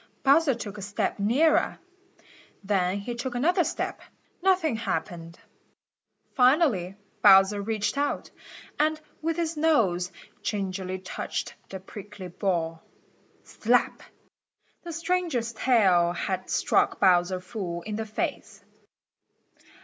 Bowser took a step nearer. Then he took another step. Nothing happened. Finally Bowser reached out, and with his nose gingerly touched the prickly ball. Slap! The stranger's tail had struck Bowser full in the face.